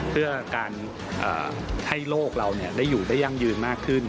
เพื่อการให้โลกเราได้อยู่ได้ยั่งยืนมากขึ้น